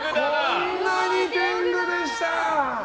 こんなに天狗でした！